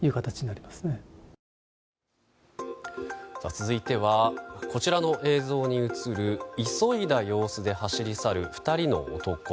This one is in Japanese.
続いてはこちらの映像に映る急いだ様子で走り去る２人の男。